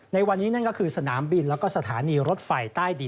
ในวันนี้นั่นก็คือสนามบินแล้วก็สถานีรถไฟใต้ดิน